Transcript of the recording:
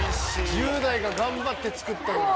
１０代が頑張って作ったのに。